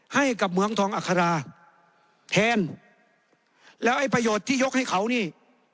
ให้กับเมืองทองอัคราแทนแล้วไอ้ประโยชน์ที่ยกให้เขานี่